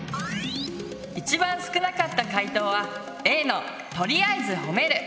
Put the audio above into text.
一番少なかった回答はＡの「とりあえず褒める」！